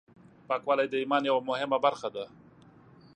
پاکوالی د ایمان یوه مهمه برخه ده.